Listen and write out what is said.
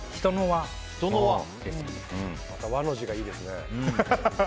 和の字がいいですね。